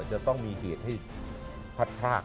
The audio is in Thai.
จะต้องมีเหตุให้พัดพราก